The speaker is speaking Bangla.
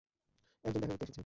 একজন দেখা করতে এসেছে।